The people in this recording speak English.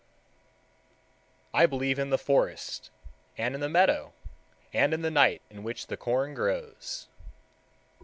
I believe in the forest, and in the meadow, and in the night in which the corn grows.